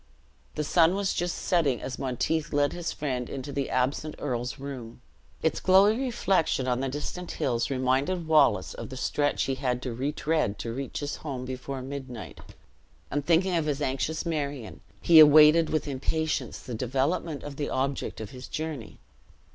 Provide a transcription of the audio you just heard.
The sun was just setting as Monteith led his friend into the absent earl's room. Its glowing reflection on the distant hills reminded Wallace of the stretch he had to retread to reach his home before midnight; and thinking of his anxious Marion, he awaited with impatience the development of the object of his journey.